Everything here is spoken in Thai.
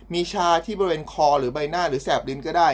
มีชาที่บริเวณคอหรือใบหน้าหรือแสบดินก็ได้